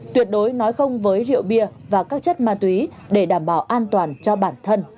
tuyệt đối nói không với rượu bia và các chất ma túy để đảm bảo an toàn cho bản thân